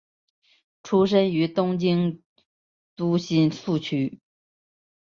出身于东京都新宿区。